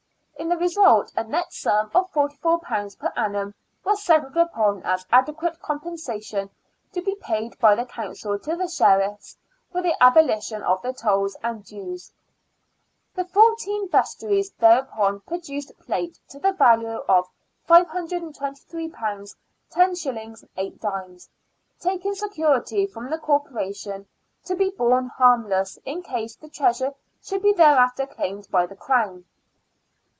In the result, a net sum of £44 per annum was settled upon as adequate compensation to be paid by the Council to the Sheriffs for the abolition of the tolls and dues. The fourteen vestries thereupon produced plate to the value of £523 los. 8d., taking security from the Corporation to be borne harmless in case the treasure should be thereafter claimed by the Crown.